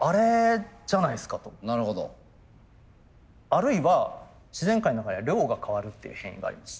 あるいは自然界の中では量が変わるっていう変異があります。